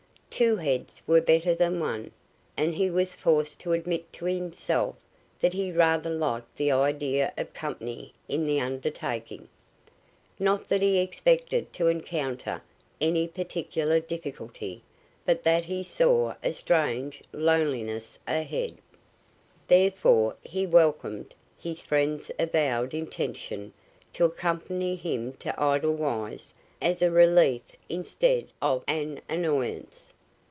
Two heads were better than one, and he was forced to admit to himself that he rather liked the idea of company in the undertaking. Not that he expected to encounter any particular difficulty, but that he saw a strange loneliness ahead. Therefore he welcomed his friend's avowed intention to accompany him to Edelweiss as a relief instead of an annoyance.